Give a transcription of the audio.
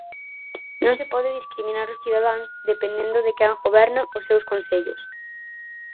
Non se pode discriminar os cidadáns dependendo de quen goberna os seus concellos.